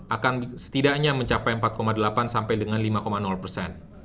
akan setidaknya mencapai empat delapan sampai dengan lima persen